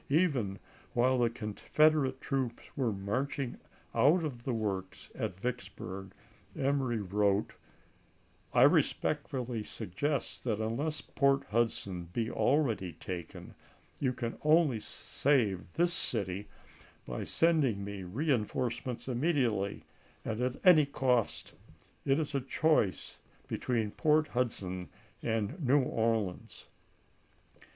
Even while the Confederate troops were marching out of the works at Vicksburg, Emory wrote :" I respect fully suggest that unless Port Hudson be already jiu^ses ta^en? you can on^y save tlris city by sending me volxxvl, reinforcements immediately and at any cost. It is F&ll" a choice between Port Hudson and New Orleans."